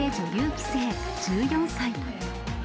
棋聖１４歳。